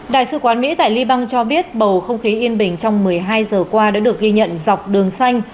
đại sứ quán mỹ tại libang cho biết bầu không khí yên bình trong một mươi hai giờ qua đã được ghi nhận dọc đường xanh